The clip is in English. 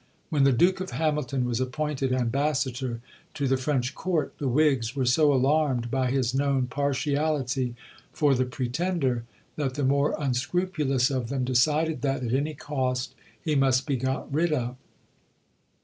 When the Duke of Hamilton was appointed Ambassador to the French Court, the Whigs were so alarmed by his known partiality for the Pretender that the more unscrupulous of them decided that, at any cost, he must be got rid of.